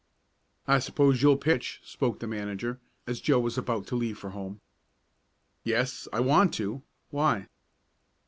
"I suppose you'll pitch?" spoke the manager, as Joe was about to leave for home. "Yes, I want to. Why?"